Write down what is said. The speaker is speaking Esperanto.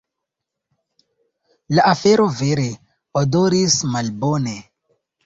La afero vere odoris malbone.